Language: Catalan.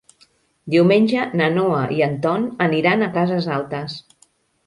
Diumenge na Noa i en Ton aniran a Cases Altes.